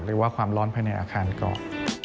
หรือว่าความร้อนภายในอาคารก่อน